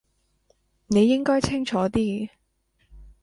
你應該清楚啲